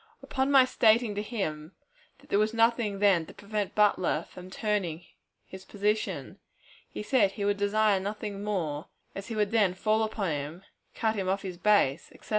Upon my stating to him that there was nothing then to prevent Butler from turning his position, he said he would desire nothing more, as he would then fall upon him, cut him off from his base, etc.